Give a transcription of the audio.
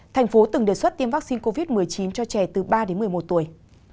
thành phố từng đề xuất tiêm vaccine covid một mươi chín cho trẻ từ ba đến một mươi một tuổi